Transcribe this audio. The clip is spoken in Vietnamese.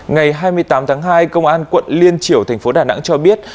ngày hai mươi tám tháng hai công an quận liên triểu thành phố đà nẵng cho biết